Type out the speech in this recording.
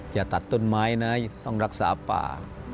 อย่าตัดต้นไม้นะต้องรักษาป่า